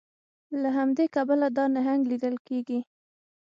له همدې کبله دا نهنګ لیدل کیږي